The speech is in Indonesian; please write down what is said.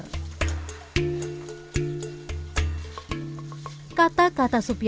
kata kata supiati lah yang membuat wagisan meyakini kebenaran atas langkahnya